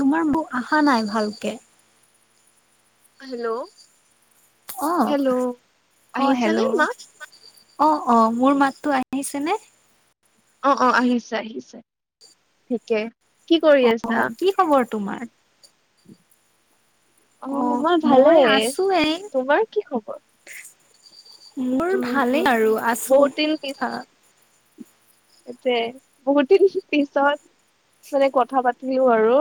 তোমাৰ ব আহা নাই ভালকে। হেল্ল'। অ', হেল্ল' অ, আহিছেনে মা হেল্ল'। অ', অ, মোৰ মাততো আহিছে নে? অ', অ, আহিছে আহিছে ঠিকে। কি কৰি আছা অ' কি খবৰ তোমাৰ? অ', মই ভালেই আছো এই তোমাৰ কি খবৰ? মোৰ উম ভালেই উম আৰু আছোঁ বহুত অ'। এতে বহুত দিন পিছত মানে কথা পাতিলো আৰু।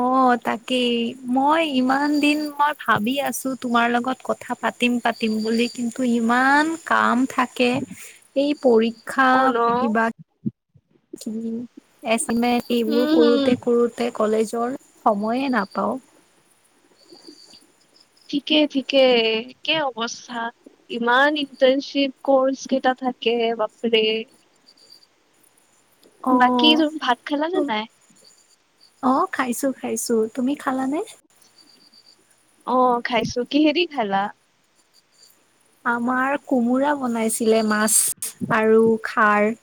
অ' তাকেই মই ইমান দিন মই ভাবি আছোঁ তোমাৰ লগত কথা পাতিম, পাতিম বুলি কিন্তু ইমান কাম থা কে, এই পৰীক্ষা অ ন কিবা এচাইনমেণ্ট এইবোৰ উম হম কৰোতে, কৰোতে কলেজৰ সময়ে নাপাওঁ। ঠিকে, ঠিকে একেই অৱস্থা। ইমান ইণ্টাৰনশ্বিপ কৰ্চ কেইটা থাকে, বাপৰে! বাকী অ তুমি ভাত খালা নে নাই? অ', খাইছোঁ, খাইছোঁ। তুমি খালানে? অ', খাইছোঁ। কিহে দি খালা? আমাৰ কোমোৰা বনাইছিলে, মাছ আৰু খাৰ।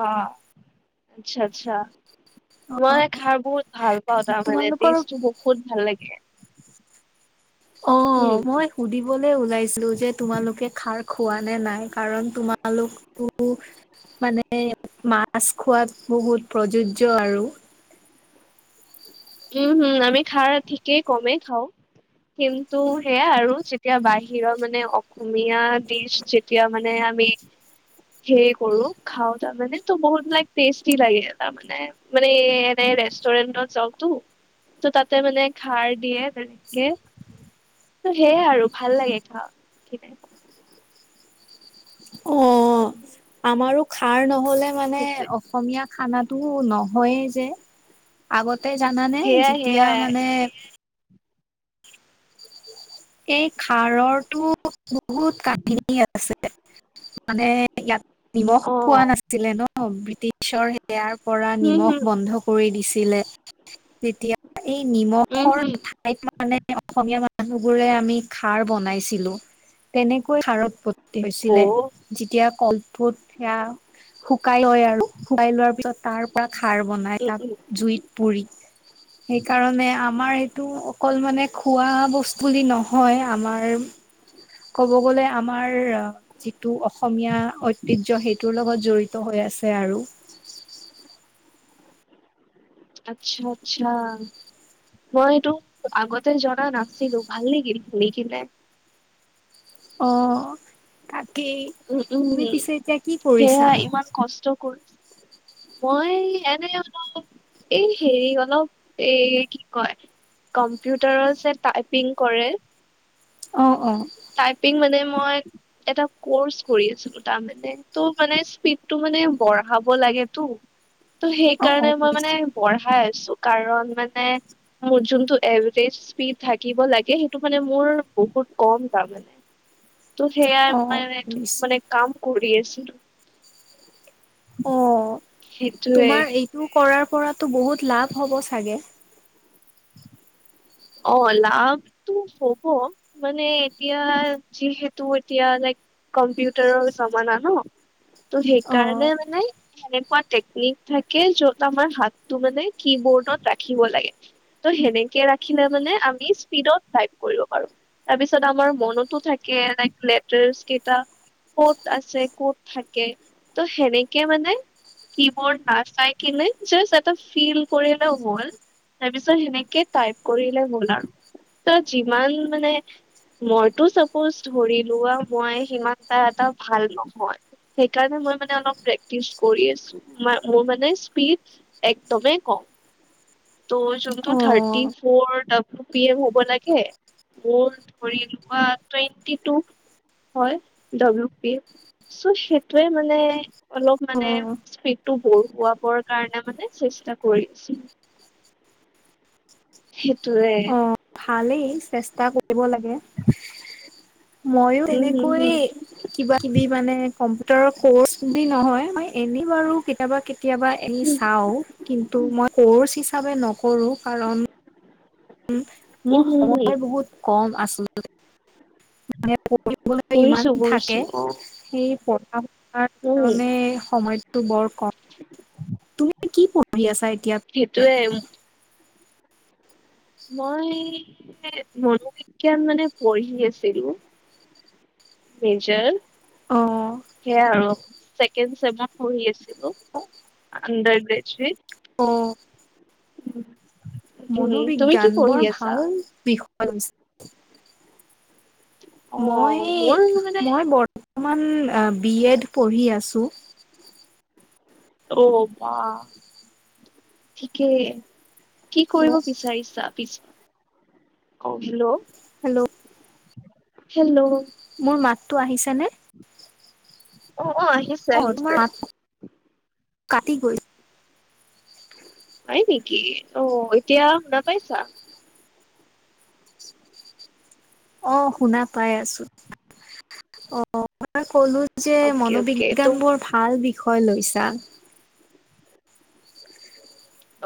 আহ, আচ্ছা, আচ্ছা। মই খাৰ বহুত ভাল পাওঁ তাৰমানে, তোমালোকৰ টেষ্টটো বহুত ভাল লাগে। উম অ', মই সুধিবলৈ ওলাইছিলোঁ যে তোমালোকে খাৰ খোৱা নে নাই! কাৰণ তোমালোক [inaudible] মানে মাছ খোৱাত বহুত প্ৰযোজ্য আৰু। উম', হম, আমি খাৰ ঠিকেই কমেই খাওঁ। কিন্তু সেয়া আৰু যেতিয়া বাহিৰৰ মানে অসমীয়া দিছ যেতিয়া মানে আমি সেই কৰোঁ খাওঁ তাৰমানে ত' বহুত লাইক টেষ্টি লাগে তাৰমানে মানে এ, এনে ৰেষ্টুৰেণ্টত যাওঁ ত' তাতে মানে খাৰ দিয়ে, তেনকে। ত' সেয়াই আৰু ভাল লাগে খাই কিনে। অ', আমাৰো খাৰ নহ'লে মানে সেইটোৱে অসমীয়া খানাটো নহয়েই যে। আগতে জানানে, সেয়াই যিতিয়া সেয়াই মানে এই খাৰৰটো বহুত কাহিনী আছে। মানে, ইয়াত নিমখ অ পোৱা নাছিলে ন' বৃটি ব্ৰিটিছৰ সেয়াৰ পৰা হম নিমখ হম বন্ধ কৰি দিছিলে, তেতিয়া এই উম নিমখৰ হম ঠাইত মানে, অসমীয়া মানুহ বোৰে আমি খাৰ বনাইছিলোঁ, তেনেকৈ খাৰ উৎপত্তি অ হৈছিলে। যেতিয়া কল [unintelligible] সেয়া শুকাই লয় আৰু, শুকাই লোৱাৰ পিছত তাৰপা খাৰ বনায়, উম উম তাত জুইত পুৰি। সেইকাৰণে আমাৰ এইটো অকল মানে খোৱা বচ বুলি নহয় আমাৰ ক'ব গ'লে আমাৰ যিটো অসমীয়া ঐতিহ্য, সেইটোৰ লগত জড়িত হৈ আছে আৰু। আচ্ছা, আচ্ছা। মই এইটো আগতে জনা নাছিলোঁ, ভাল লাগিল শুনি কিনে। অ', তাকেই। উম, উম। তুমি পিছে এতিয়া কি কৰিছা? সেয়া ইমান কষ্ট কৰি মই এনেই অলপ এই হেৰি অলপ, এই কি কয় কম্পিউটাৰৰ যে টাইপিং কৰে! অ', অ'। টাইপিং মানে মই এটা কৰ্চ কৰি আছিলোঁ, তাৰমানে ত' মানে স্পীডটো মানে বঢ়াব লাগেতো! ত' অ', অ', সেইকাৰণে, মই মানে শুনিছোঁ বঢ়াই আছোঁ, কাৰণ মানে মোৰ যোনটো এভৰেজ স্পীড থাকিব লাগে, সেইটো মানে মোৰ বহুত কম। ত' সেয়াই অ', অ', মানে, শুনিছোঁ মানে কাম কৰি আছিলোঁ। অ', সেইটোৱে তোমাৰ এইটো কৰাৰ পৰাতো বহুত লাভ হ'ব চাগে? অ', লাভটো হ'ব, মানে এতিয়া যিহেতু এতিয়া, লাইক কম্পিউটাৰৰ জমানা ন, ত' সেইকাৰণে অ', মানে সেনেকোৱা টেকনিক থাকে, য'ত আমাৰ হাতটো মানে, কি-বোৰ্ডত ৰাখিব লাগে। ত' সেনেকে ৰাখিলে মানে, আমি স্পীডত টাইপ কৰিব পাৰোঁ। তাৰপিছত, আমাৰ মনতো থাকে, লাইক লেটাৰ্স কেইটা। ক'ত আছে, ক'ত থাকে, ত' সেনেকে মানে কিবৰ্ড নাচাই কিনে, জাষ্ট এটা ফিল কৰি এটা ৱল তাৰপিছত সেনেকে, টাইপ কৰিলে হ'ল আৰু। ত' যিমান মানে মইতো, চাপজ ধৰিলোৱা, মই সিমানটা এটা ভাল নহয়। সেইকাৰণে, মই মানে অলপ প্ৰেক্টিছ কৰি আছোঁ। মা, মোৰ মানে স্পীড একদমেই কম। ত' যোনটো থাৰ্টি অ', ফ'ৰ, ডাব্লিউ পি এম, হ'ব লাগে মোৰ ধৰিলোৱা, টুৱেণ্টি টু হয়, ডাব্লিউ পি এম। চ' সেইটোৱে মানে, অলপ মানে অ', স্পীডটো, বঢ়োৱাবৰ কাৰণে, মানে চেষ্টা কৰি আছিলোঁ। সেইটোৱে। অ', ভালেই, চেষ্টা কৰিব লাগে মইয়ো উম হম তেনেকৈয়ে। হম কিবা-কিবি মানে, কম্পিউটাৰৰ কৰ্চ বুলি নহয়, মই এনেই বাৰু কেতিয়াবা কেত কেতিয়াব এনে চাওঁ, কিন্তু মই ক'ৰ্চ হিচাপে নকৰোঁ কাৰণ উম, মোৰ উম হম হম সময় বহুত কম, আচলতে। মানে পঢ়িবলৈ বুজিছো ইমান থাকে, বুজিছো অ সেই পঢ়া তাৰ উম কাৰণে, সময়টো বৰ কম, তুমি কি পঢ়ি আছা এতিয়া? সেইটোৱে। মই এ মনোবিজ্ঞান মানে পঢ়ি আছিলোঁ। মেজৰ, অ সেয়া আৰু চেক ছেকেণ্ড ছেমত পঢ়ি আছিলোঁ, আন্দাৰ গ্ৰেজুৱেট। অ'। [inaudible] তুমি কি মনোবিজ্ঞান, পঢ়ি বৰ আছা ভাল বিষয়। অ মই, মোৰ মানে মই বৰ্তমান আ, বি এড পঢ়ি আছোঁ। অ', বা, ঠিকেই। কি কৰিব হেল্ল' বিচাৰিছা পিছত, অ', হেল্ল'। হেল্ল'। হেল্ল'। মোৰ মাতটো আহিছেনে? অ', অ', আহিছে। অ', আহিছে তোমাৰ মাতটো, কাটি গ'ল। হয় নেকি, অ', এতিয়া শুনা পাইছা। অ', শুনা পাই আছোঁ, অ'। মই তোমাক ক'লো যে, অকে অকে ত মনোবিজ্ঞান বৰ ভাল বিষয় লৈছা।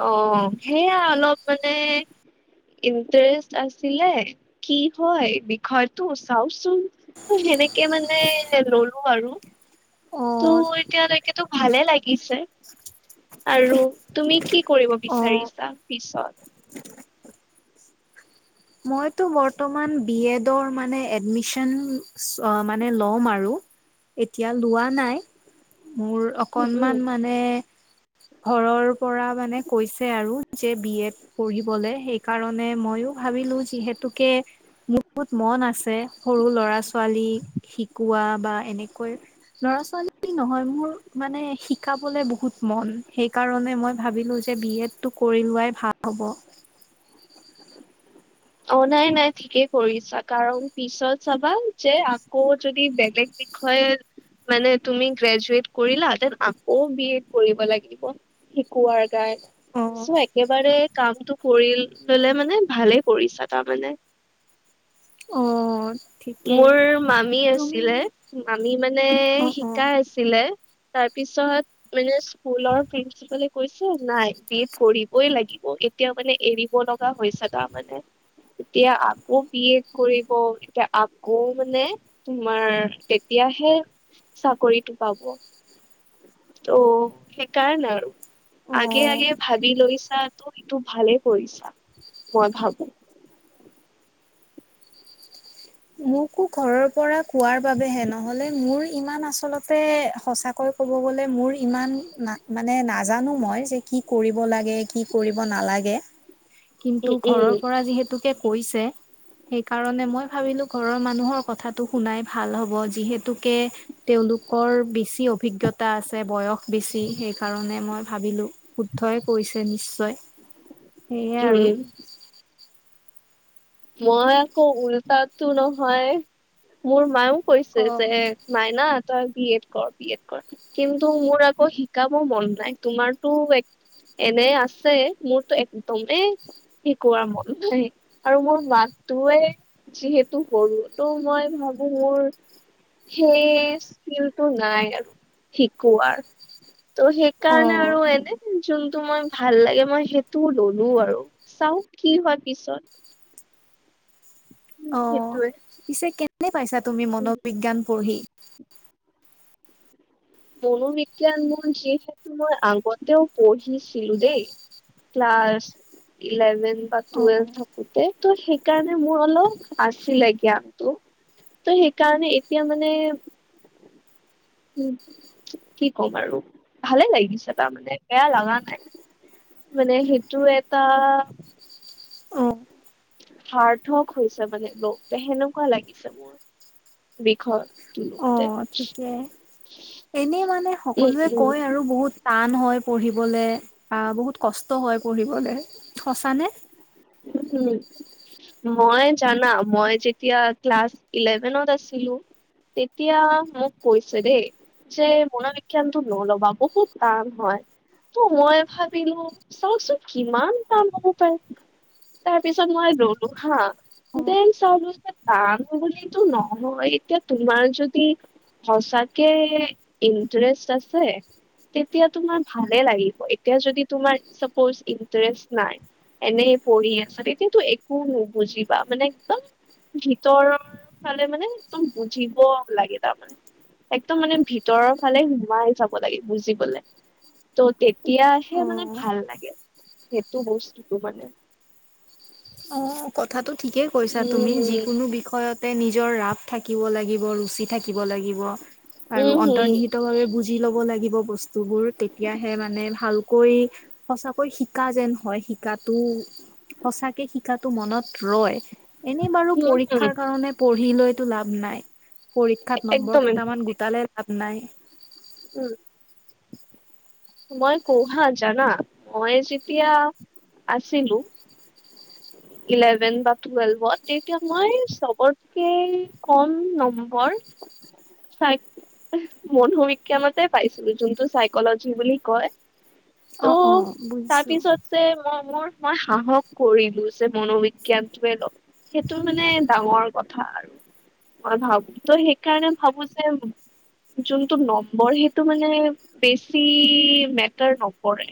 অ সেয়া অলপ মানে ইণ্টাৰেষ্ট আছিলে কি হয় বিষয়টো চাওচোন। সেনেকে মানে ললো আৰু। ত' অ' এতিয়ালৈকেতো ভালে লাগিছে। আৰু তুমি কি কৰিব অ' বিচাৰিছা পিছত? মইতো বৰ্তমান বি এডৰ মানে এডমিচন অ মানে ল'ম আৰু। এতিয়া লোৱা নাই, মোৰ উম উম অকনমান মানে ঘৰৰ পৰা মানে কৈছে আৰু যে বি এড পঢ়িবলে সেইকাৰণে ময়ো ভাবিলো যিহেতুকে বহুত মন আছে সৰু ল'ৰা-ছোৱালী শিকোৱা বা এনেকৈ ল'ৰা ছোৱালী নহয় মোৰ মানে শিকাবলে বহুত মন, সেইকাৰণে মই ভাবিলো যে যে বি এডটো কৰি লোৱাই ভাল হ'ব। অ নাই নাই ঠিকেই কৰিছা, কাৰণ পিছত চাবা যে আকৌ যদি বেলেগ বিষয়ে মানে তুমি গ্ৰেজুৱেট কৰিলা, তাৰচত আকৌ বি এড কৰিব লাগিব। শিকোৱাৰ কাৰনে, চ অ'। একেবাৰে কামটো কৰি ললে মানে ভালে কৰিছা তাৰমানে? অ। ঠিকেই মোৰ মামী তুমি আছিলে মামী মানে অ', অ', শিকাই আছি লে তাৰপিছত মানে স্কুলৰ প্ৰি প্ৰিঞ্চিপালে কৈছে নাই বি এড কৰিবই লাগিব, এতিয়া মানে এৰিব লগা হৈছে তাৰমানে। তেতিয়া আকৌ বি এড কৰিব আকৌ মানে তোমাৰ তেতিয়াহে চাকৰিটো পাব। ত' সেইকাৰণে আৰু, আগে অ'। আগে ভাবি লৈছা তো সেইটো ভালে কৰিছা, মই ভাবো। মোকো ঘৰৰ পৰা কোৱাৰ বাবেহে নহলে মোৰ ইমান আচলতে সচাকৈ ক'ব গ'লে মোৰ ইমান না মানে নাজানো মই যে কি কৰিব লাগে কি কৰিব নালাগে। [unintelligible] কিন্তু উম ঘৰৰ পৰা যিহেতুকে কৈছে, সেইকাৰণে মই ভাবিলো ঘৰৰ মানুহৰ কথাটো শুনাই ভাল হ'ব যিহেতুকে তেওঁলোকৰ বেছি অভিজ্ঞতা আছে বয়স বেছি সেইকাৰণে মই ভাবিলো। শুদ্ধই কৈছে নিশ্চয়। [inaudible] সেয়ে আৰু। উম মই আকৌ উল্টাটো নহয়, মোৰ মায়েও কৈছে অ যে মাইনা তই বি এড কৰ বি এড কৰ। কিন্তু মোৰ আকৌ শিকাব মন নাই, তোমাৰতো এক এনে আছে, মোৰতো একদমেই শিকোৱাৰ মন নাই। আৰু মোৰ মাতটোৱে যিহেতু সৰু তো মই ভাবো মোৰ সেই স্কিলটো নাই আৰু শিকোৱাৰ ত' সেই অ কাৰণে আৰু এনে যোনটো মই ভাল লাগে মই সেইটো ললো আৰু চাও কি হয় পিছত। অ সেইটোয়ে। পিছে কেনে পাইছা তুমি মনোবিজ্ঞান পঢ়ি! মনোবিজ্ঞান মোৰ যিহেতু মই আগতেও পঢ়িছিলো দেই ক্লাছ ইলেভেন বা অ অ টুৱেল্ভ থাকো তে তো সেইকাৰণে মোৰ অলপ আছিলে জ্ঞানটো। ত সেইকাৰণে এতিয়া মানে উম, কি ক'ম আৰু ভালে লাগিছে তাৰমানে বেয়া লগা নাই। মানে সেইটো এটা উম। সাৰ্থক হৈছে মানে লগ তে সেনেকুৱা লাগিছে মোৰ বিষয় তো। অ' ঠিকে এনেই মানে সকলোৱে উম কয় আৰু বহুত টান হয় পঢ়িবলৈ বা বহুত কষ্ট হয় পঢ়িবলৈ, সঁচানে? [unintelligible] মই জানা মই যেতিয়া ক্লাছ ইলেভেনত আছিলোঁ তেতিয়া মোক কৈছে দেই যে মনোবিজ্ঞানটো নলবা বহুত টান হয়। তো মই ভাবিলো চাওচোন কিমান টান হ'ব পাৰে। তাৰ পিছত মই ললো হা অ দেন চালো যে টান বুলিতো নহয় এতিয়া তোমাৰ যদি সঁচাকে ইণ্টাৰেষ্ট আছে তেতিয়া তোমাৰ ভালে লাগিব এতিয়া যদি তোমাৰ চাপোজ ইণ্টাৰেষ্ট নাই এনেই পঢ়ি আছা তেতিয়াটো একো নুবুজিবা মানে একদম ভিতৰৰ ফালে মানে একদম বুজিব লাগে তাৰমানে একদম মানে ভিতৰৰ ফালে সোমাই যাব লাগে বুজিবলে। ত' তেতিয়াহে অ মানে ভাল লাগে সেইটো বস্তুটো মানে। অ' কথাটো ঠিকেই কৈছা তুমি উম যিকোনো বিষয়ত তে নিজৰ ৰাপ থাকিব লাগিব ৰুচি থাকিব লাগিব আৰু উম হম অন্তৰ্নিহিতভাৱে বুজ যি ল'ব লাগিব বস্তুবোৰ তেতিয়াহে মানে ভালকৈ সঁচাকৈ শিকা যেন হয় শিকাটো সচাক সেই শিকাটো মনত ৰয় এনেই বাৰু হম হম পৰীক্ষাৰ কাৰণে পঢ়ি লৈতো লাভ নাই। পৰীক্ষাত নম্বৰ একদম একদম কেইটামান গোটালে লাভ নাই। উম। মই কহা জানা মই যেতিয়া আছিলোঁ ইলেভেন বা টুৱেলভত তেতিয়া মই চবতকে কম নম্বৰ চাই মনোবিজ্ঞানতে পাইছিলো যোনটো চাইকলজি বুলি কয়। অ ত' অ তাৰ বুজিছো পিছত যে মই মোৰ মই সাহস কৰিলোঁ যে মনোবিজ্ঞানটোৱে লম। সেইটো মানে ডাঙৰ কথা আৰু। মই ভাবো ত সেইকাৰণে ভাবো যে যোনটোু নম্বৰ সেইটো মানে বেছি মেটাৰ নপৰেৰে।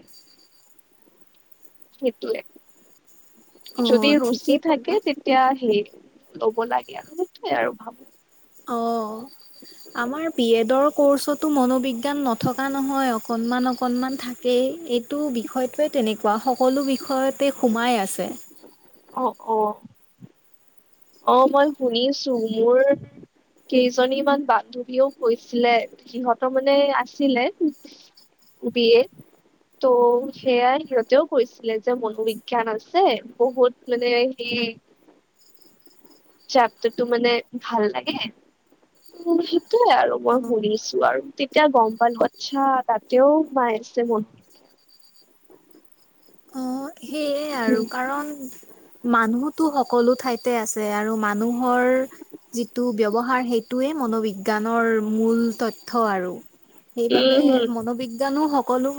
সেটোয়ে অ যদি ৰুচি ঠিকেই থাকে ক'লা তে এতিয়া সে ল'ব লাগে সেতুয়ে আৰু ভাবো। অ [inaudible] আমাৰ বিএডৰ কৰ্চতো মনোবিজ্ঞান নথকা নহয় অকনমান অকনমান থা কেই এইটো বিষয়টোৱে তেনেকুৱা সকলো বিষয়তে সোমাই আছে। অ', অ'। অ' মই শুনিছোঁ মোৰ কেইজনীমান বান্ধৱীয়েও কৈছিলে। সিহঁতৰ মানে আছিলে। বি এ ত' সেয়াই সিহঁতেও কৈছিলে যে মনোবিজ্ঞান আছে, বহুত মানে সেই চাপটাৰতো মানে ভাল লাগে, তোৰ [unintelligible] আৰু মই অ [unintelligible] আছো। আৰু তেতিয়া গম পালো, আচ্ছা তাতেও মাই আছে [unintelligible] অ সেয়ে আৰু কাৰণ মানুহতো সকলো ঠাইতে আছে, আৰু মানুহৰ যিটো ব্যৱহাৰ, সেইটোৱেই মনোবিজ্ঞানৰ মূল তথ্য আৰু। উম সেইবাবে হম মনোবিজ্ঞানো সকলো [unintelligible]